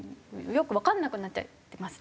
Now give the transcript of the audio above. よくわかんなくなっちゃってますね。